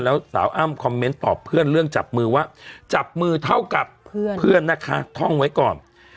แล้วสาวอ้ำคอมเมนต์ตอบเพื่อนเรื่องจับมือว่าจับมือเท่ากับเพื่อนนะคะท่องไว้ก่อน